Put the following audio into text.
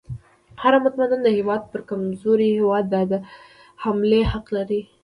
هر متمدن هیواد پر کمزوري هیواد د حملې حق لري.